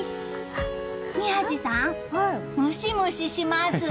宮司さん、ムシムシします。